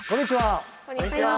こんにちは。